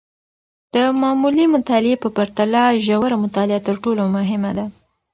د معمولي مطالعې په پرتله، ژوره مطالعه تر ټولو مهمه ده.